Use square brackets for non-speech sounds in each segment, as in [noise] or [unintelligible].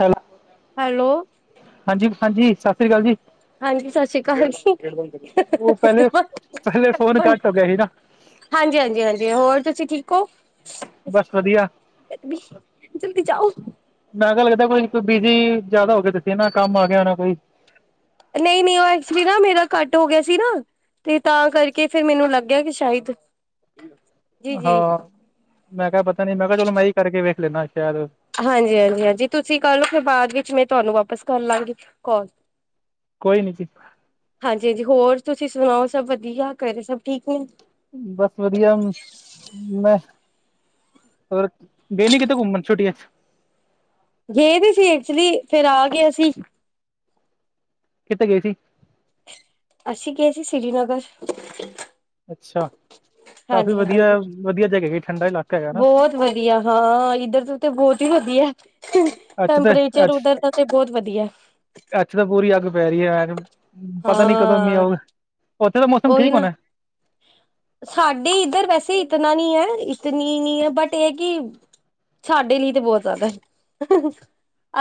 ਹੈੋਲੇ। Hello ਹਾਂਜੀ-ਹਾਂਜੀ। ਸਤਿ ਸ੍ਰੀ ਅਕਾਲ ਜੀ। ਹਾਂਜੀ। ਸਤਿ ਸ੍ਰੀ ਅਕਾਲ ਉਹ ਜੀ। ਪਹਿਲੇ ਪਹਿਲੇ ਫੋਨ ਕੱਟ ਹੋ ਗਿਆ ਸੀ ਨਾ ਹਾਂਜੀ-ਹਾਂਜੀ, ਹਾਂਜੀ ਹੋਰ ਤੁਸੀਂ ਠੀਕ? ਹੋ? ਬਸ ਵਧੀਆ। ਜਲਦੀ ਜਾਓ ਨਾ ਗੱਲ ਕਰ, ਕੋਈ ਨੀ ਕੋਈ। ਬਿਜੀ ਜਿਆਦਾ ਹੋ ਕੇ ਤੁਸੀਂ ਨਾ। ਕੰਮ ਆ ਗਿਆ ਹੋ ਨਾ ਕੋਈ। ਨਹੀਂ ਨਹੀਂ ਉਹ ਐਕਚੁਲੀ ਨਾ ਮੇਰਾ ਕੱਟ ਹੋ ਗਿਆ ਸੀ ਨਾ, ਤੇ ਤਾਂ ਕਰਕੇ ਫਿਰ ਮੈਨੂੰ ਲੱਗਿਆ ਕਿ ਸ਼ਾਇਦ ਜੀ ਜੀ ਹਾਂ, ਮੈਂ ਕਿਹਾ ਪਤਾ ਨੀ, ਮੈਂ ਕਿਹਾ ਚਲੋ, ਮੈਂ ਹੀ ਕਰਕੇ ਵੇਖ ਲੈਣਾ ਸ਼ਾਇਦ ਹਾਂਜੀ-ਹਾਂਜੀ, ਹਾਂਜੀ ਤੁਸੀਂ ਕੱਲ ਫਿਰ ਬਾਅਦ ਵਿੱਚ ਮੈਂ ਤੁਹਾਨੂੰ ਵਾਪਿਸ ਕਰ ਲਾਂਗੀ ਕਾਲ। ਕੋਈ ਨੀ। ਜੀ-ਜੀ ਹੋਰ? ਤੁਸੀਂ ਸੁਣਾਓ? ਸਭ ਵਧੀਆ। ਘਰੇ ਸਭ ਠੀਕ ਨੇ? ਬਸ ਵਧੀਆ। ਮੈਂ ਹੇਰ? ਗਏ ਨੀ ਕਿਤੇ ਘੁੰਮਣ, ਛੁਟੀਆਂ ਚ? ਗਏ ਵੀ ਸੀ ਐਕਚੁਲੀ। ਫੇਰ ਆਗੇ ਅਸੀਂ। ਕਿੱਥੇ ਗਈ ਸੀ? ਅਸੀਂ ਗਏ ਸੀ, ਸ੍ਰੀਨਗਰ। ਅੱਛਾ। ਕਾਫੀ ਹਾਂਜੀ ਹਾਂਜੀ। ਵਧੀਆ-ਵਧੀਆ ਜਗ੍ਹਾ ਠੰਡਾ ਇਲਾਕਾ ਹੈਗਾ ਨਾ ਬਹੁਤ ਵਧੀਆ ਹਾਂ। ਇੱਧਰ ਤੋਂ ਤੇ ਬਹੁਤ ਹੀ ਵਧੀਆ। ਅੱਖੇਤਾਂ ਟੈਂਪਰੇਚਰ ਅੱਖ, ਉਧਰ ਦਾ ਤੇ ਬਹੁਤ ਵਧੀਆ ਅੱਖੇ ਤਾਂ ਪੂਰੀ ਅੱਗ ਪੈ ਰਹੀ ਹੈ। ਯ। ਪਤਾ ਨੀ ਕਦੋਂ ਮੀ ਹਾਂ ਆਊਗਾ। ਉੱਥੇ ਤਾਂ ਮੌਸਮ ਉਹੀ ਠੀਕ ਨਾ ਹੋਣਾ? ਸਾਡੇ ਇੱਧਰ ਵੈਸੇ ਇਤਨਾ ਨੀ ਹੈ ਨੀ-ਨੀ, ਬਟ ਇਹ ਕਿ ਸਾਡੇ ਲਈ ਤੇ ਬਹੁਤ ਜ਼ਿਆਦਾ।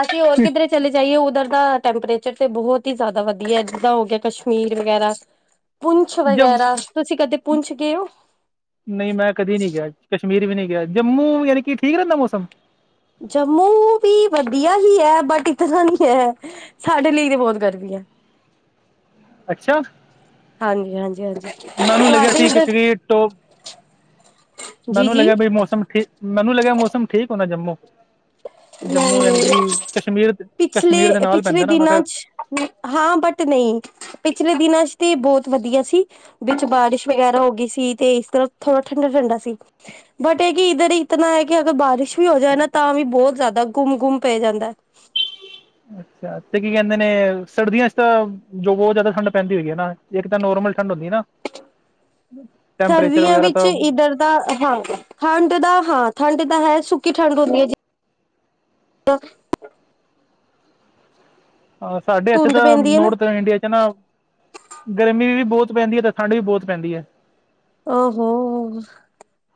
ਅਸੀਂ ਹੋਰ ਕਿੱਧਰੇ ਚਲੇ ਜਾਈਏ ਉ ਉੱਧਰ ਦਾ ਟੈਂਪਰੇਚਰ ਤੇ ਬਹੁਤ ਹੀ ਜ਼ਿਆਦਾ ਵਧੀਆ, ਜਿੱਦਾਂ ਹੋ ਗਿਆ ਕਸ਼ਮੀਰ ਵਗੈਰਾ। ਪੁੰਛ ਜ ਵਗੈਰਾ, ਤੁਸੀਂ ਕਦੇ ਪੁੰਛ ਗਏ ਹੋ ਨਹੀਂ, ਮੈਂ ਕਦੀ ਨਹੀਂ ਗਿਆ। ਕ ਕਸ਼ਮੀਰ ਵੀ ਨਹੀਂ ਗਿਆ। ਜੰਮੂ ਯਾਨੀ ਕਿ ਠੀਕ ਰਹਿੰਦਾ ਮੌਸਮ? ਜੰਮੂ ਵੀ ਵਧੀਆ ਹੀ ਹੈ। ਬਟ ਇਤਨਾ ਨੀ ਹੈ। ਸਾਡੇ ਲਈ ਤੇ ਬਹੁਤ ਗਰਮੀ ਹੈ। ਅੱਛਾ ਹਾਂਜੀ-ਹਾਂਜੀ, ਹਾਂਜੀ। ਮੈਨੂੰ ਲੱਗਿਆ ਤੁਹਾਡੇ ਸੀ ਉਧਰ ਕਿਉਂਕਿ ਟੋ, ਜੀ ਮੈਨੂੰ ਜੀ ਲੱਗਿਆ ਵੀ ਮੌਸਮ ਠੀਕ। ਮੈਂ ਤੁਹਾਨੂੰ ਲੱਗਿਆ, ਮੌਸਮ ਠੀਕ ਹੋਣਾ ਜੰਮੂ। ਜੰਮੂ ਯਾਨੀ ਨਹੀਂ। ਕਿ ਕਸ਼ਮੀਰ ਕਸ਼ਮੀਰ ਦੇ ਨਾਲ ਪਿਛਲੇ-ਪਿਛਲੇ ਪੈਂਦਾ ਨਾ ਮੈਂ ਦਿਨਾਂ ਕਿਹਾ ਚ, ਹਾਂ ਬਟ ਨਹੀਂ, ਪਿਛਲੇ ਦਿਨਾਂ ਚ ਤੇ ਬਹੁਤ ਵਧੀਆ ਸੀ। ਵਿਚ ਬਾਰਿਸ਼ ਵਗੈਰਾ ਹੋ ਗਈ ਸੀ ਤੇ ਇਸ ਤਰ੍ਹਾਂ ਥੋੜਾ ਠੰਡਾ-ਠੰਡਾ ਸੀ। ਬਟ, ਇਹ ਕਿ ਇਧਰ ਇਤਨਾ ਹੈ। ਕਿ ਅਗਰ ਬਾਰਿਸ਼ ਵੀ, ਹੋ ਜਾਏ ਨਾ, ਤਾਂ ਵੀ ਬਹੁਤ ਜ਼- ਾਂ ਘੂਮ- ਘੂਮ, ਪੈ ਜਾਂਦਾ ਏ। ਅੱਛਾ। ਤੇ, ਕੀ ਕਹਿੰਦੇ ਨੇ, ਸਰਦੀਆਂ ਚ ਤਾਂ, ਜੋ ਬਹੁਤ ਜ਼ਿਆਦਾ ਠੰਡ, ਪੈਂਦੀ ਹੋਏਗੀ ਨਾ। ਇੱਕ ਤਾਂ, ਨੋਰਮਲ ਠੰਡ, ਹੁੰਦੀ ਹੈ, ਨਾ। ਟੈਂਪਰੇਚਰ ਸਰਦੀਆਂ ਵਗੈਰਾ ਵਿੱਚ, ਤਾਂ ਇੱਧਰ ਦਾ ਹਾਂ। ਠੰਡ, ਦਾ ਹਾਂ। ਠੰਡ ਤਾਂ ਹੈ। ਸੁੱਕੀ ਠੰਡ ਹੁੰਦੀ ਹੈ, ਜੀ। ਹਾਂ। ਸਾਡੇ ਇੱਥੇ ਤਾਂ, ਪੈਂਦੀ ਹੈ ਨਾ ਨੋੌਰਥ ਇੰਡੀਆ ਚ ਨਾ। ਗਰਮੀ ਵੀ ਬਹੁਤ ਹੁ ਪੈਂਦੀ ਹੈ। ਤੇ ਠੰਡ ਵੀ ਬਹੁਤ ਪੈਂਦੀ ਹੈ। ਆ ਹੋੋ।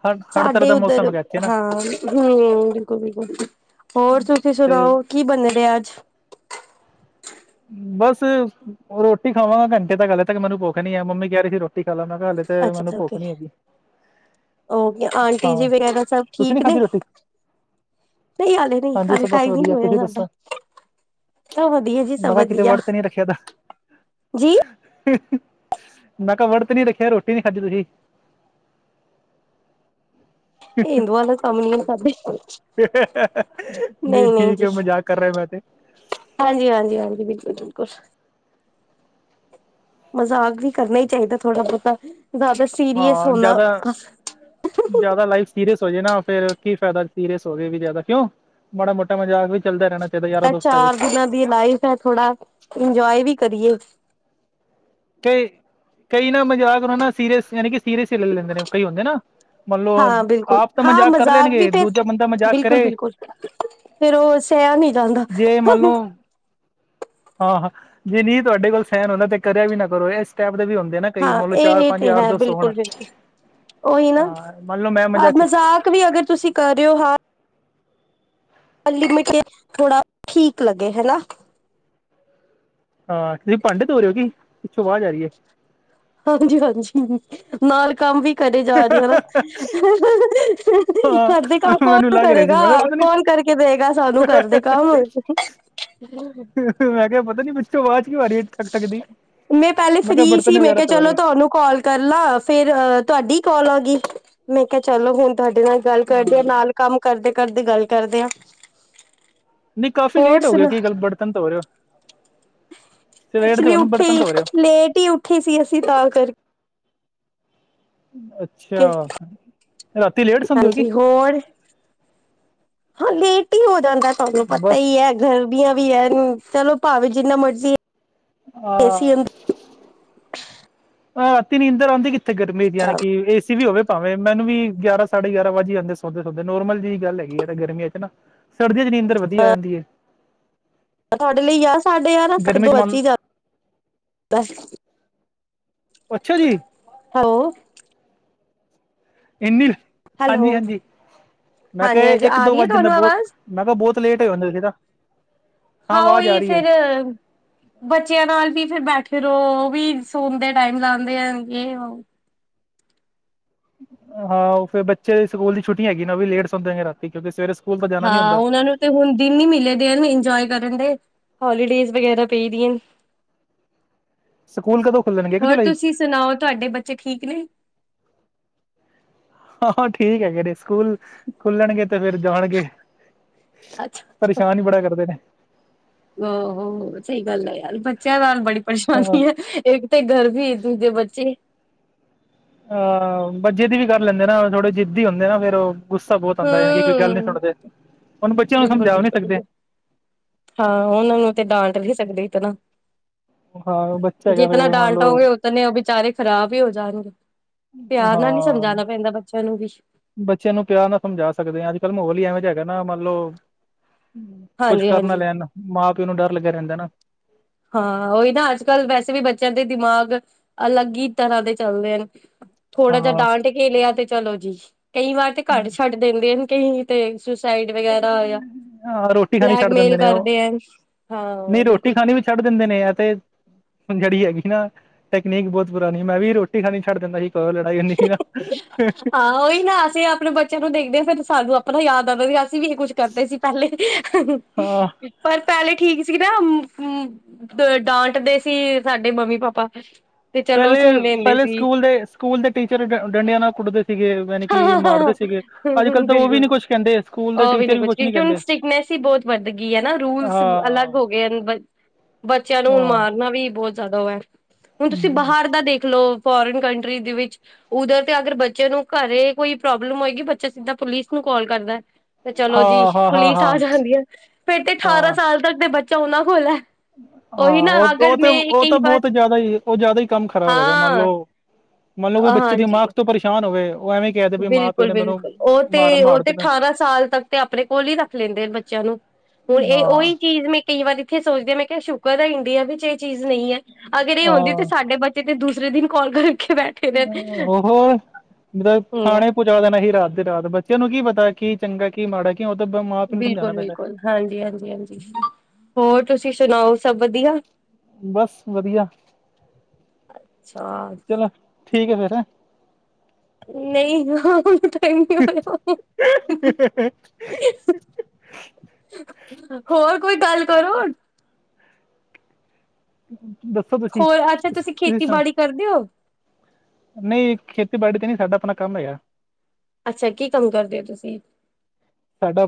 ਹਰ ਹਰ ਤਰ੍ਹਾਂ ਸਾਡੇ ਦਾ ਉੱਧਰ, ਮੌਸਮ ਹੈਗਾ ਇੱਥੇ ਨਾ ਹਾਂ, ਹੂੰ। ਬਿਲਕੁਲ- ਬਿਲਕੁਲ। ਹੋਰ, ਤੁਸੀਂ ਤੇ ਸੁਣਾਓ ਕੀ ਬਨਦੇ ਅੱਜ? ਬਸ, ਹੁਣ ਰੋਟੀ ਖਾਵਾਂਗਾ। ਘੰਟੇ ਤਕ ਹਲੇ ਤੱਕ ਮੈਨੂੰ ਭੁੱਖ ਨੀ ਆ। ਮੰਮੀ, ਕਹਿ ਰਹੀ ਸੀ। ਰੋਟੀ ਖਾ ਲਾ। ਹਲੇ ਤੇ, ਅੱਛਾ ਮੈਨੂੰ, ਅੱਛਾ ਓਕੇ ਭੁੱਖ ਨੀ ਹੈਗੀ। ਆਂਟੀ ਜੀ, ਹਾਂ ਵਗੈਰਾ, ਸਭ ਤੁਸੀਂ ਨੀ ਠੀਕ ਨੇ? ਖਾਧੀ ਰੋਟੀ ਨਹੀਂ, ਹਲੇ ਨਹੀਂ। ਹਾਂਜੀ ਹਾਲੇ, ਸਭ ਬਸ ਟਾਇਮ ਵੀ, ਨੀ ਵਧੀਆ ਹੋਇਆ ਤੁਸੀਂ ਸਾਡਾ। ਦੱਸੋ ਸਬ ਵਧੀਆ ਜੀ। ਸਭ ਮੈਂ ਕਿਹਾ, ਕਿਤੇ ਵਧੀਆ ਵਰਤ ਤੇ ਨੀ ਰੱਖਿਆ ਤਾਂ। ਜੀ ਮੈਂ ਕਿਹਾ, ਵੜਤ ਤੇ ਨੀ ਰਖਿਆ, ਰੋਟੀ ਨੀ ਖਾਂਦੀ ਤੁਸੀਂ। ਏ ਹਿੰਦੂਆਂ ਦਾ, ਕੰਮ ਹੀ, ਹੈ। ਸਾਡੇ ਨਹੀਂ, ਠੀਕ ਹੈ। ਮਜ਼ਾਕ ਕਰ ਰਿਹਾ। ਮੈਂ ਤੇ, ਹਾਂਜੀ- ਹਾਂਜੀ, ਹਾਂਜੀ। ਬਿਲਕੁਲ- ਬਿਲਕੁਲ। ਮਜ਼ਾਕ ਵੀ, ਕਰਨਾ ਹੀ ਚਾਹੀਦਾ, ਥੋੜਾ ਬਹੁਤਾ। ਜ਼ਿਆਦਾ ਸੀਰੀਅਸ ਹਾਂ। ਹੋਣਾ ਜ਼ਿਆਦਾ, ਇਹ ਜ਼ਿਆਦਾ, ਲਾਈਫ ਸੀਰੀਅਸ ਹੋ ਜਾਇ, ਨਾ ਫੇਰ। ਕੀ ਫਾਇਦਾ ਸੀਰੀਅਸ ਹੋ ਗਏ ਵੀ ਜ਼ਿਆਦਾ। ਕਿਉਂ? ਮਾੜਾ-ਮੋਟਾ ਮਜ਼ਾਕ ਵੀ ਚੱਲਦਾ ਰਹਿਣਾ ਚਾਹੀਦਾ ਯਾਰਾਂ ਇਹ, ਦੋਸਤਾਂ ਵਿੱਚ ਚਾਰ ਦਿਨਾਂ, ਦੀ ਲਾਈਫ ਹੈ। ਥੋੜਾ ਇੰਜੋਏ, ਵੀ ਕਰੀਏ। ਕਈ, ਕਈ ਨਾ, ਮਜ਼ਾਕ ਨਾ, ਸੀਰੀਅਸ ਯਾਨੀ ਕਿ ਸੀਰੀਅਸ ਹੀ, ਲੈ, ਲੈਂਦੇ ਨੇ। ਕਈ ਹੁੰਦੇ ਨਾ। ਮੰਨ ਲਓ ਹਾਂ, ਬਿਲਕੁਲ। ਆਪ ਤਾਂ ਹਾਂ, ਕਰ ਮਜ਼ਾਕ ਵੀ ਲੈਣਗੇ ਤੇ, ਦੂਜਾ ਬੰਦਾ ਮਜ਼ਾਕ ਬਿਲਕੁਲ- ਕਰੇ ਬਿਲਕੁਲ, ਫੇਰ ਉਹ। ਸ [unintelligible] ਨੀ ਜਾਂਦਾ। ਜੇ ਮੰਨ ਲਓ ਹਾਂ- ਹਾਂ, ਜੇ ਨਹੀਂ, ਤੁਹਾਡੇ ਕੋਲ ਸਹਿਰ ਹੁੰਦਾ ਤੇ, ਕਰਿਆ ਵੀ, ਨਾ ਕਰੋ। ਇਹ ਸਟੈਪ। ਇਦੇ ਵੀ, ਹੁੰਦੇ ਨਾ ਕਈ। ਹਾਂ ਮਤਲਬ ਇਹ ਚਾਰ, ਇਹ ਪੰਜ ਤੇ ਯਾਰ ਹੈ ਦੋ, ਸੋ ਹੋਣ। ਬਿਲਕੁਲ ਬਿਲਕੁਲ ਉਹੀ ਨਾ। ਹਾਂ ਮੰਨ ਲਓ ਮੈਂ ਹਾਂ, ਮਜ਼ਾਕ ਵੀ ਅਗਰ ਤੁਸੀਂ ਕਰ ਰਹੇ ਹੋ। ਹਾਂ। ਹੀ ਮਿੱਠੇ ਥੋੜਾ ਠੀਕ ਲੱਗੇ ਹੈ ਨਾ। ਹਾਂ। ਤੁਸੀਂ, ਭਾਂਡੇ ਧੋਣ ਰਿਓ ਕਿ? ਪਿੱਛੋਂ ਆਵਾਹ ਆ ਰਹੀਏ। ਹਾਂਜੀ- ਹਾਂਜੀ। ਨਾਲ ਕੰਮ ਵੀ। ਕਰੜੇ ਜਾ ਰਹੀ ਆ। ਨਾ, ਘਰ ਦੇ ਹਾਂ ਕੰਮ, ਮੈਨੂੰ ਕੌਣ ਕਰੇਗਾ, ਕੌਣ ਲੱਗ ਰਿਹਾ ਸੀ ਮੈਂ ਕਿਹਾ ਪਤਾ ਨੀ ਕਰੇਗਾ? ਕਰਕੇ ਦੇੇੲਗਾ, ਸਾਨੂੰ ਕਰਦੇ ਕੰਮ? ਕੀ, ਹੋ ਰਹੀ ਹੇ। ਠਕ- ਠਕ, ਦੀ। ਮੈਂ, ਪਹਿਲੇ ਕਿਹਾ ਫ੍ਰਰੀ ਸੀ। ਬਰਤਨ ਮੈਂ ਵਗੈਰਾ ਕਿਹਾ, ਧੋ ਚਲੋ ਰਹੇ ਤੁਹਾਨੂੰ ਕਾਲ ਕਰ ਲਾਂ। ਫੇਰ ਤੁਹਾਡੀ ਕੋਲ ਆ ਗਈ। ਮੈਂ ਕਿਹਾ, ਚਲੋ, ਹੁਣ ਤੁਹਾਡੇ ਨਾਲ, ਗੱਲ ਹਾਂ ਕਰਦੇ ਆ। ਨਾਲ ਕੰਮ ਕਰਦੇ ਘਰ, ਦੀ ਗੱਲ ਕਰਦੇ ਆਂ। ਨਹੀਂ, ਕਾਫ਼ੀ ਲੇਟ ਹੋ ਗਏ। ਕੀ ਗੱਲ, ਬਰਤਨ ਧੋ ਰਹੇ ਹੋ। ਸਵੇਰ ਦੇ ਐਕਚੁਲੀ ਹੋ ਨਾ ਉੱਠੇ, ਬਰਤਨ ਧੋ ਰਹੇ ਲੇਟ ਹੀ, ਉੱਠੀ ਸੀ। ਅਸੀਂ ਤਾਂ ਕਰਕੇ। ਅੱਛਾ। ਰਾਤੀ ਲੇਟ ਸੌਂਦੇ ਹੋ ਕੀ ਹਾਂਜੀ। ਹੋਰ? ਹਾਂ। ਲੇਟ ਹੀ, ਹੋ ਜਾਂਦਾ। ਤੁਹਾਨੂੰ ਪਤਾ ਬਸ ਹੀ, ਹੈ। ਗਰਮੀਆਂ ਵੀ, ਐਨੁ, ਚਲੋ ਭਾਵੇਂ, ਜਿੰਨਾ ਮਰਜ਼ੀ। ਆਹ ਦੇਸੀ ਹੁ ਹਾਂ। ਰਾਤੀ, ਨੀਂਦਰ ਆਉਂਦੀ ਕਿੱਥੇ? ਗਰਮੀ ਯਾਂਣੀਕਿ ਏਸੀ ਵੀ, ਹੋਵੇ। ਭਾਵੇਂ, ਮੈਨੂੰ ਵੀ, ਗਿਆਰਾਂ, ਸਾਢੇ ਗਿਆਰਾਂ ਵਜ ਹੀ ਜਾਂਉਦੇ ਸੌਦੇ- ਸੋਦੇ। ਨੋਰਮਲ ਜਿਹੀ ਗੱਲ ਹੈਗੀ ਹੈ। ਯਾਰ ਗਰਮੀਆਂ ਚ ਨਾ। ਸਰਦੀਆਂ ਚ ਨਿਂਧਰ ਵਧੀਆ, ਆ ਜਾਂਦੀ ਏ। ਤੁਹਾਡੇ ਲਈ, ਗਿਆਰਾ, ਸਾਡੇ ਗਿਆਰਾ [unintelligible] ਗਰਮੀ ਚ ਮਨ ਅੱਛਾ ਜੀ! ਹੈਲੋ ਇੰਨੀ, ਹਾਂਜੀ- ਹੈਲੋ ਹਾਂਜੀ, ਮੈਂ ਹਾਂਜੀ ਕਿਹਾ, ਹਾਂਜੀ ਇੱਕ, ਆ ਦੋ ਰਹੀ ਹੈ ਵੱਜ ਜਾਂਦਾ ਤੁਹਾਨੂੰ ਬਹੁਤ। ਆਵਾਜ਼ ਮੈਂ ਕਿਹਾ, ਬਹੁਤ। ਲੇਟ ਈ ਹੁੰਦੇ ਸੀ ਨਾ। ਹਾਂ ਉਹੀ ਫੇਰ ਬੱਚਿਆਂ ਨਾਲ ਵੀ ਫਿਰ ਬੈਠ ਕੇ। ਫੇਰ ਉਹ ਵੀ ਸੋਣ ਦੇ ਟਾਈਮ ਲਾਉਦੇ ਹੈ ਗੇਮ। ਹਾਂ ਉਹ ਫਿਰ ਬੱਚੇ ਸਕੂਲ ਦੀ ਛੁੱਟੀ ਹੈਗੀ ਨਾ ।ਉਹ ਵੀ ਲੇਟ ਸੌਂਦੇ ਨੇ ਰਾਤੀ ਕਿਉਂਕਿ ਸਵੇਰੇ। ਸਕੂਲ ਤਾਂ ਜਾਣਾ ਨੀ ਹਾਂ ਹੁੰਦਾ ਉਹਨਾਂ ਨੂੰ ਤੇ ਹੁਣ ਦਿਨ ਹੀ ਮਿਲੇ ਦੇ ਹਨ ਇੰਜੋਏ। ਕਰਨ ਦੇ ਹੋਲੀਡੇਜ ਵਗੈਰਾ ਪਈਦੀਆਂ। ਸਕੂਲ ਕਦੋਂ ਖੁੱਲਣਗੇ ਇੱਕ ਹੋਰ ਜੁਲਾਈ ਤੁਸੀਂ ਸੁਣਾਓ ਤੁਹਾਡੇ ਬੱਚੇ ਠੀਕ ਨੇ? ਆਹੋ ਠੀਕ ਹੈਗੇ ਨੇ ਸਕੂਲ ਖੁੱਲਣਗੇ ਤੇ ਫੇਰ ਜਾਣਗੇ। ਪਰੇਸ਼ਾਨ ਹੀ ਬੜਾ ਕਰਦੇ ਨੇ। ਆਹੋ ਸਹੀ ਗੱਲ ਏ ਯਾਰ ਬੱਚਿਆਂ ਨਾਲ ਬੜੀ ਹਾਂ ਪਰੇਸ਼ਾਨੀ ਏ ਇੱਕ ਤੇ ਗਰਮੀ ਦੂਜੇ। ਬੱਚੇ। ਅਹ ਬਸ ਜ਼ਿੱਦ ਵੀ ਕਰ ਲੈਂਦੇ ਨਾ, ਥੋੜੇ ਜਿੱਦੀ ਹੁੰਦੇ ਨਾ ਫੇਰ ਉਹ। ਗੁੱਸਾ ਬਹੁਤ ਆਉਂਦਾ ਕਿ ਕੋਈ ਗੱਲ ਨੀ ਹਮ ਸੁਣਦੇ, ਹੁਣ ਬੱਚਿਆਂ ਨੂੰ ਬਿਲਕੁਲ ਸਮਝਾ ਵੀ ਨਹੀਂ ਬਿਲਕੁਲ ਸਕਦੇ। ਬਿਲਕੁਲ ਹਾਂ ਉਹਨਾਂ ਨੂੰ ਤੇ ਡਾਂਟ ਨਹੀ ਸਕਦੇ ਇਤਨਾ। ਹਾਂ ਬੱਚਾ ਹੈਗਾ ਜਿਤਨਾ ਫੇਰ ਮੰਨ ਲਓ ਡਾਂਟੋਗੇ ਉਤਨੇ ਉਹ ਬੇਚਾਰੇ ਖਰਾਬ ਹੀ ਹੋ ਜਾਣਗੇ। ਪਿਆਰ ਨਾਲ ਹੀ ਹਾਂ ਸਮਝਾਉਣਾ ਪੈਂਦਾ ਬੱਚਿਆਂ ਨੂੰ ਵੀ। ਬੱਚਿਆਂ ਨੂੰ ਪਿਆਰ ਨਾਲ ਸਮਝਾ ਸਕਦੇ ਹਾਂ ਅੱਜ ਕੱਲ੍ਹ ਮਾਹੌਲ ਹੀ ਐਵੇਂ ਜਿਹਾ ਹੈਗਾ ਨਾ ਮੰਨ ਲਓ। ਕੁੱਛ ਹਾਂਜੀ ਕਰ ਨਾ ਹਾਂਜੀ ਲੈਣ ਮਾਂ ਪਿਓ ਨੂੰ ਡਰ ਲੱਗਿਆ ਰਹਿੰਦਾ ਏ ਨਾ। ਹਾਂ ਉਹੀ ਨਾ ਅੱਜ ਕੱਲ੍ਹ ਵੈਸੇ ਵੀ ਬੱਚਿਆਂ ਦੇ ਦਿਮਾਗ ਅਲੱਗ ਹੀ ਤਰ੍ਹਾਂ ਦੇ ਚਲਦੇ ਏ ਥੋੜਾ ਜਿਹਾ ਹਾਂ ਡਾਂਟ ਕੇ ਲਿਆ ਤੇ ਚਲੋ ਜੀ। ਕਈ ਵਾਰ ਤੇ ਘਰ ਛੱਡ ਦਿੰਦੇ ਹਨ ਕਈ ਤੇ। ਸੁਸਾਈਡ ਵਗੈਰਾ ਜਾਂ ਹਾਂ ਰੋਟੀ ਖਾਣੀ ਛੱਡ ਦਿੰਦੇ ਬਲੈਕਮੇਲ ਨੇ ਉਹ ਕਰਦੇ ਹਨ। ਹਾਂ ਨਹੀਂ ਬਿਲਕੁਲ ਰੋਟੀ ਖਾਣੀ ਵੀ ਛੱਡ ਦਿੰਦੇ ਨੇ ਆ ਤੇ ਹੁਣ ਜਿਹੜੀ ਹੈਗੀ ਨਾ ਟੈਕਨੀਕ ਬਹੁਤ ਪੁਰਾਣੀ, ਮੈਂ ਵੀ ਰੋਟੀ ਖਾਣੀ ਛੱਡ ਦਿੰਦਾ ਸੀ। ਕਦੋਂ ਲੜਾਈ ਹੁੰਦੀ ਸੀ ਨਾ ਹਾਂ ਉਹੀ ਨਾ ਅਸੀਂ ਆਪਣੇ ਬੱਚਿਆਂ ਨੂੰ ਦੇਖਦੇ ਹਾਂ ਫਿਰ। ਸਾਨੂੰ ਆਪਣਾ ਯਾਦ ਆਉਂਦਾ ਸੀ। ਅਸੀਂ ਵੀ ਇਹੀ ਕੁੱਝ ਕਰਦੇ ਸੀ ਪਹਿਲੇ ਹਾਂ ਪਰ। ਪਹਿਲੇ ਠੀਕ ਸੀ ਨਾ ਡਾਂਟਦੇ ਸੀ ਸਾਡੇ ਮੰਮੀ ਪਾਪਾ। ਤੇ ਚਲੋ ਪਹਿਲੇ ਸੁਣ ਲੈਂਦੇ ਪਹਿਲੇ ਸੀ ਸਕੂਲ ਦੇ ਸਕੂਲ ਦੇ ਟੀਚਰ ਡੰਡਿਆਂ ਨਾਲ ਕੁੱਟਦੇ ਸੀ। ਸੀਗੇ ਯਾਨੀ ਕਿ ਮਾਰਦੇ ਸੀਗੇ, ਅੱਜ ਕੱਲ ਹਮ ਤਾਂ ਉਹ ਵੀ ਨੀ ਬਿਲਕੁਲ ਕੁਛ ਕਹਿੰਦੇ ਸਕੂਲ ਦੇ ਉਹ ਟੀਚਰ ਵੀ ਕੁਛ ਨੀ ਕਿਉਂਕਿ ਹੁਣ ਕਹਿੰਦੇ। ਸਟ੍ਰਿਕਨੈਸ ਬਹੁਤ ਵੱਧ ਗਈ ਹੈ ਨਾ ਰੂਲਸ ਹਾਂ ਅਲੱਗ ਹੋ ਗਏ ਨੇ। ਬੱਚਿਆਂ ਨੂੰ ਹੁਣ ਹਾਂ ਮਾਰਨਾ ਵੀ ਬਹੁਤ ਜ਼ਿਆਦਾ ਉਹ ਹੈ ਹੁਣ ਤੁਸੀਂ ਬਾਹਰ ਦਾ ਦੇਖ ਲਓ। ਫੋਰਨ ਕੰਟਰੀ ਦੇ ਵਿੱਚ ਉਧਰ ਤਾਂ ਅਗਰ ਬੱਚਿਆਂ ਨੂੰ। ਘਰੇ ਕੋਈ ਪ੍ਰੋਬਲਮ ਹੋਏਗੀ ਬੱਚਾ ਸਿੱਧਾ ਪੁਲਿਸ ਨੂੰ ਕਾਲ ਕਰਦਾ ਏ। ਤੇ ਚਲੋ ਜੀ, ਹਾਂ ਹਾਂ ਹਾਂ ਹਾਂ ਪੁਲਿਸ ਆ ਜਾਂਦੀ ਏ, ਫੇਰ ਤੇ ਅਠਾਰਾਂ ਹਾਂ ਸਾਲ ਤੱਕ ਤੇ ਬੱਚਾ ਉਹਨਾ ਕੋਲ ਏ। ਹਾਂ ਉਹ ਤੇ ਉਹ ਤਾਂ ਕਈ ਵਾਰ ਬਹੁਤ ਜ਼ਿਆਦਾ ਹੀ ਉਹ ਜ਼ਿਆਦਾ ਹੀ ਕੰਮ ਖ਼ਰਾਬ ਹੈਗਾ। ਮੰਨ ਹਾਂ ਲਓ ਮੰਨ ਲਓ ਕਿ ਬੱਚੇ ਹਾਂਜੀ ਦਿਮਾਗ ਤੋਂ ਪਰੇਸ਼ਾਨ ਹੋਵੇ। ਉਹ ਐਵੇਂ ਕਹਿ ਦੇ ਵੀ ਮਾਂ ਪਿਓ ਬਿਲਕੁਲ ਨੇ ਮੈਨੂੰ ਬਿਲਕੁਲ ਉਹ ਤੇ ਮਾਰ ਉਹ ਤੇ ਮਾਰਦੇ ਪਏ ਅਠਾਰਾਂ ਸਾਲ ਤੱਕ ਤੇ ਆਪਣੇ ਕੋਲ ਹੀ ਰੱਖ ਲੈਂਦੇ ਨੇ ਬੱਚਿਆਂ ਨੂੰ। ਹੁਣ ਇਹ ਹਾਂ ਉਹੀ ਚੀਜ਼ ਮੈਂ ਕਈ ਵਾਰੀ। ਇੱਥੇ ਸੋਚਦੇ ਮੈਂ ਕਿਹਾ ਸ਼ੁਕਰ ਹੈ ਇੰਡੀਆ ਵਿੱਚ ਇਹ ਚੀਜ਼ ਨਹੀਂ ਹੈ ਅਗਰ ਇਹ ਹੁੰਦੀ ਤੇ ਹਾਂ ਸਾਡੇ ਬੱਚੇ ਤੇ ਦੂਸ ਦੂਸਰੇ ਦਿਨ ਕਾਲ ਕਰੇ। ਹੋ ਹੋਰ? ਹੂੰ ਥਾਣੇ ਪਹੁੰਚਾ ਦੇਣਾ ਸੀ ਰਾਤ ਦੇ ਰਾਤ ਬੱਚਿਆਂ ਨੂੰ ਕੀ ਪਤਾ ਕੀ ਚੰਗਾ ਕੀ ਮਾੜਾ ਕੀ। ਉਹ ਤਾਂ ਮਾਂ ਪਿਓ ਨੂੰ ਸਮਝਾਉਣਾ ਬਿਲਕੁਲ, ਪੈਂਦਾ ਬਿਲਕੁਲ, ਹਾਂਜੀ, ਹਾਂਜੀ, ਹਾਂਜੀ ਹੋਰ ਤੁਸੀਂ ਸੁਣਾਓ ਸਭ ਵਧੀਆ? ਬਸ ਵਧੀਆ, ਅੱਛਾ ਚਲੋ, ਠੀਕ ਹੈ ਫਿਰ। ਹੈ। ਨਹੀਂ ਆ ਟਾਈਮ ਨਹੀਂ ਹੋਇਆ। [unintelligible] ਹੋਰ ਕੋਈ ਗੱਲ ਕਰੋ? ਦੱਸੋ ਤੁਸੀਂ ਹੋਰ ਅੱਛਾ ਤੁਸੀਂ ਸੁਣਾਓ? ਖੇਤੀਬਾੜੀ ਕਰਦੇ ਹੋ ਨਹੀਂ ਖੇਤੀਬਾੜੀ ਤੇ ਨਹੀ ਸਾਡਾ ਆਪਣਾ ਕੰਮ ਹੈਗਾ। ਅੱਛਾ ਕੀ ਕੰਮ ਕਰਦੇ ਹੋ ਤੁਸੀਂ? ਆਪ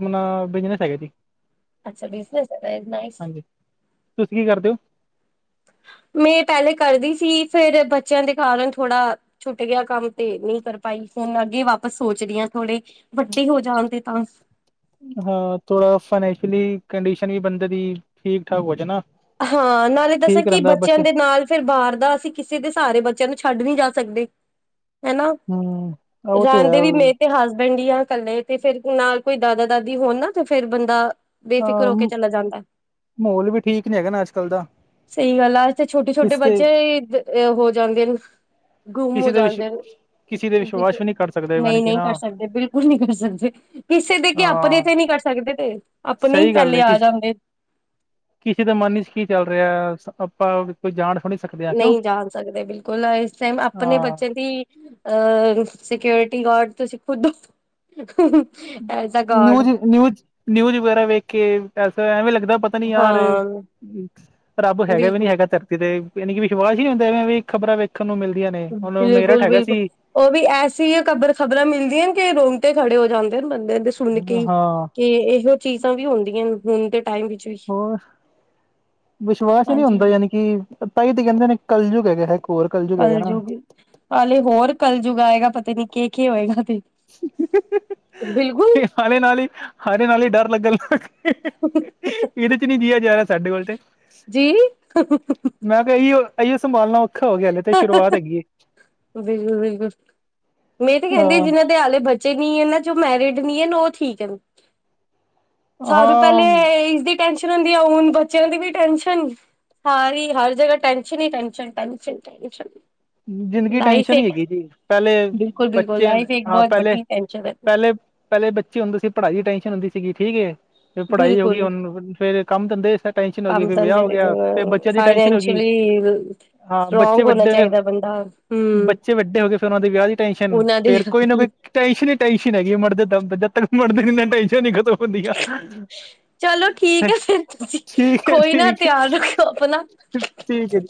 ਬਿਜਨਸ ਹੈਗੇ ਜੀ। ਅੱਛਾ ਬਿਜਨਸ ਹੈ, ਨਾਈਸ ਹਾਂਜੀ ਤੁਸੀਂ ਕੀ ਕਰਦੇ ਹੋ। [inaudible] [inaudible] ਮੈਂ ਪਹਿਲੇ ਕਰਦੀ ਸੀ ਫਿਰ ਬੱਚਿਆਂ ਦੇ ਕਾਰਨ ਥੋੜਾ ਛੁੱਟ ਗਿਆ ਕੰਮ ਤੇ ਨਹੀਂ ਕਰ ਪਾਈ। ਹੁਣ ਅੱਗੇ ਵਾਪਸ ਸੋਚ ਰ ਹ ਥੋੜੇ ਵੱਡੇ ਹੋ ਜਾਣ ਤੇ ਤਾਂ। ਹਾਂ ਥੋੜਾ ਫਾਈਨੈਂਸ਼ਅਲੀ ਕੰਡੀਸ਼ਨ ਵੀ ਬੰਦੇ ਦੀ ਠੀਕ ਠਾਕ ਹੋ ਜਾ ਨਾ। ਹਾਂ ਨਾਲੇ ਦੱਸਾਂ ਠੀਕ ਕਿ ਰਹਿੰਦਾ ਬੱਚਿਆਂ ਬੱਚੇ ਦੇ ਨਾਲ ਫਿਰ ਬਾਹਰ ਦਾ ਅਸੀਂ ਕਿਸੇ ਦੇ ਸਾਰੇ ਬੱਚਿਆਂ ਨੂੰ ਛੱਡ ਨੀ ਜਾ। ਸਕਦੇ ਹਨਾ ਹਮ ਉਹ ਤੇ ਰਹਿਣ ਹੈ ਦੇ ਵੀ ਮੇ ਤੇ ਹੱਸ। ਬੰਡੀਆਂ ਇਕੱਲੇ ਤੇ ਫਿਰ ਨਾਲ ਕੋਈ ਦਾਦਾ ਦਾਦੀ ਹੋਣ ਨਾ ਤੇ ਫਿਰ ਬੰਦਾ। ਬੇਫਿਕਰ ਹੋ ਕੇ ਅ ਚਲਾ ਜਾਂਦਾ। ਮਾਹੌਲ ਵੀ ਠੀਕ ਨੀ ਹੈਗਾ ਨਾ ਅੱਜ ਕੱਲ ਦਾ ਸਹੀ ਗੱਲ ਆੱ ਤੇ ਛੋਟੇ ਛੋਟੇ ਕਿਸ ਤੇ ਬੱਚੇ ਹੋ ਜਾਂਦੇ ਨੇ। ਗੁੰਮ ਹੋ ਕਿਸੇ ਦੇ ਵਿਸ਼ ਜਾਂਦੇ ਕਿਸੇ ਦੇ ਵਿਸ਼ਵਾਸ ਵੀ ਕਰ ਸਕਦੇ ਯਾਨੀ ਨਹੀਂ ਕਿ ਨਹੀਂ ਨਾ ਕਰ ਸਕਦੇ ਬਿਲਕੁਲ ਨਹੀਂ ਕਰ ਸਕਦੇ। ਕਿਸੇ ਦੇ ਕੇ ਆਪਣੇ ਅਹ ਤੇ ਨਹੀਂ ਕਰ ਸਕਦੇ ਤੇ ਆਪਣੇ ਹੀ ਸਹੀ ਗੱਲ ਪਹਿਲੇ ਹੈ ਕਿ ਆ ਜਾਂਦੇ। ਕਿਸੇ ਦਾ ਮਨ ਚ ਕੀ ਚੱਲ ਰਿਹਾ ਆਪਾਂ ਕੋਈ ਜਾਣ। ਥੋੜੀ ਸਕਦੇ ਹਾਂ ਕਿਉਂ ਨਹੀਂ ਜਾਣ ਸਕਦੇ ਬਿਲਕੁਲ ਇਸ ਟਾਈਮ। ਆਪਣੇ ਹਾਂ ਬੱਚਿਆਂ ਦੀ ਅਹ ਸਿਕਿਓਰਿਟੀ ਗਾਰਡ ਤੋਂ ਸਿੱਖੋਦੋ। ਨਿਊਜ਼ ਨਿਊਜ਼ ਨਿਊਜ਼ ਵਗੈਰਾ ਵੇਖ ਕੇਸ ਐਵੇਂ ਲੱ। ਦਾ ਪਤਾ ਨੀ ਯਾਰ ਹਾਂ ਰੱਬ ਹੈਗਾ ਵੀ ਬਿਲਕੁਲ ਨੀ ਹੈਗਾ ਧਰਤੀ ਤੇ। ਯਾਨੀ ਵਿਸ਼ਵਾਸ ਹੀ ਨਹੀਂ ਹੁੰਦੇ ਖਬਰਾਂ ਵੇਖਣ। ਨੂੰ ਮਿਲਦੀਆਂ ਨੇ ਹੁਣ ਮੇਰਠ ਬਿਲਕੁਲ ਹੈਗਾ ਬਿਲਕੁਲ ਸੀ ਉਹ ਵੀ ਐਸੀ ਖਬਰ ਖ਼ਬਰਾਂ ਮਿਲਦੀਆਂ ਕਿ ਰੋ। ਤੇ ਖੜੇ ਹੋ ਜਾਂਦੇ ਨੇ ਬੰਦੇ ਦੇ ਸੁਣ ਕੇ ਹਾਂ ਕਿ ਇਹੋ ਚੀਜ਼ਾਂ ਵੀ ਹੁੰਦੀਆਂ ਨੇ ਹੁਣ ਤੇ। ਹੋਰ ਵਿਸ਼ਵਾਸ ਹੀ ਨਹੀਂ ਹਾਂਜੀ ਹੁੰਦਾ ਯਾਨੀ ਕਿ। ਤਾਈ ਤੇ ਕਹਿੰਦੇ ਨੇ ਕਲਯੁੱਗ ਹੈ ਗਿਆ ਇਕ। ਕਲਯੁਗ ਹੇ ਹੋਰ ਕਲਯੁਗ ਆਏਗਾ ਪਤਾ ਨੀ ਕਿ ਕੀ ਹੋਏਗਾ। ਤੇ ਬਿਲਕੁਲ ਹਲੇ ਨਾਲ ਹੀ ਹਲੇ ਨਾਲ ਹੀ ਡਰ ਲੱਗਣ। ਇਹਦੇ ਚ ਨੀ ਜਹਾ ਜਾ ਰਿਹਾ ਸਾਡੇ ਕੋਲ ਤੇ। ਜੀ। ਅਸੀ ਸੰਭਾਲਣਾ ਔਖਾ ਹੋ ਗਿਆ ਹਲੇ ਤੇ ਬਿਲਕੁਲ ਸ਼ੁਰੂਆਤ ਹੈਗੀ। ਬਿਲਕੁਲ ਮੈਂ ਤੇ ਕਹਿੰਦੀ ਹਾਂ ਜਿਹਨਾਂ ਦੇ ਆਲੇ ਬੱਚੇ। ਬੱਚੇ ਨੀ ਹੈ ਨਾ ਜੋ ਮੈਰਿਡ ਨੀ ਹੈ ਨਾ ਉਹ ਠੀਕ ਹੈ ਸਾਰੂੰ ਪਹਿਲੇ ਹਾਂ ਇਸਦੇ। ਟੈਸਨ ਹੁੰਦੀ ਆ ਹੁਣ ਬੱਚਿਆਂ ਦੀ ਵੀ ਟੈਂਸ਼ਨ ਸਾਰੀ ਹਰ ਜਗ੍ਹਾ ਟਸ਼ਨ ਹੀ ਟ। ਚਿੰਤਾ ਹੈਗੀ। ਜ਼ਿੰਦਗੀ ਟੈਂਸ਼ਨ ਹੀ ਹੈਗੀ ਜੀ ਪਹਿਲੇ ਬਿਲਕੁਲ-ਬਿਲਕੁਲ ਬੱਚੇ ਲਾਈਫ ਇੱਕ ਹਾਂ ਬਹੁਤ ਪਹਿਲੇ। ਵੱਡੀ ਟੈਨਸ਼ਨ ਹੈ। ਪਹਿਲੇ ਪਹਿਲੇ ਬੱਚੇ ਹੁੰਦੇ ਸੀ ।ਪੜ੍ਹਾਈ ਦੀ ਟੈਂਨਸ਼ਨ ਹੁੰਦੀ ਸੀ। ਸੀਗੀ ਠੀਕ ਹੈ ਫੇਰ ਪੜ੍ਹਾਈ ਹੋ ਗਈ ਹੁਣ ਫੇਰ ਕੰਮ ਧੰਦੇ। ਟੈਨਸ਼ਨ ਹੋ ਗਈ ਕੰਮ ਫਿਰ ਤਾਂ ਵਿਆਹ ਹੋ ਗਿਆ ਫਿਰ ਬੱਚਿਆਂ ਦੀ ਟੈਨਸ਼ਨ ਹੋ ਗਈ ਫਾਈਨੈਂਸ਼ਅਲੀ ਹਾਂ ਬੱਚੇ ਸਟਰੋਂਗ ਹੋਣਾ ਵੱਡੇ ਨੇ ਚਾਹੀਦਾ ਬੰਦਾ। ਹਮ [inaudible] ਬੱਚੇ ਵੱਡੇ ਹੋ ਗਏ ਫੇਰ ਉਹਨਾਂ ਦੀ ਵਿਆਹ ਦੀ ਟੈਨਸ਼ਨ ਉਹਨਾਂ ਦੇ ਫੇਰ ਕੋਈ ਨਾ ਕੋਈ ਟੈਂਸ਼ਨ ਹੀ ਟੈਸ਼ਨ ਹੈਗੀ ਉਹ ਮਰਦੇ ਦਮ ਤੱਕ ਜਦ ਤੱਕ। ਮਰਦੇ ਨਾਲ ਟੈਂਨਸ਼ਨ ਨੀ ਖਤਮ ਹੁੰਦੀਆਂ। ਚਲੋ ਠੀਕ ਹੈ ਫਿਰ ਤੁਸੀਂ ਹੈ ਕੋਈ ਨਾ ਠੀਕ ਤਿਆਰ ਹੈ ਰੱਖਿਓ ਆਪਣਾ। ਠੀਕ ਹੈ ਜੀ।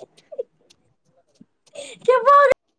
ਕਿ ਬ